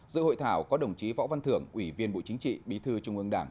giữa hội thảo có đồng chí võ văn thưởng ủy viên bộ chính trị bí thư trung ương đảng